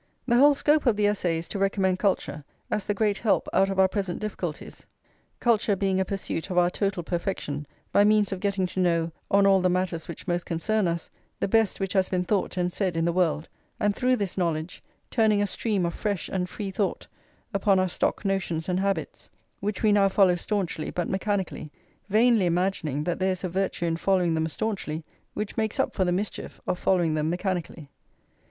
The whole scope of the essay is to recommend culture as the great help out of our present difficulties; culture being a pursuit of our total perfection by means of getting to know, on all the matters which most concern us, the best which has been thought and said in the world, and, through this knowledge, turning a stream of fresh and free thought upon our stock notions and habits, which we now follow staunchly but mechanically, vainly imagining that there is a virtue in following them staunchly which makes up for the mischief of following them mechanically.